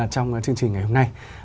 trong chương trình ngày hôm nay